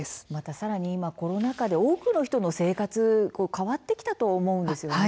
さらに今、コロナ禍で多くの人の生活が変わってきたと思うんですよね。